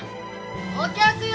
お客よ！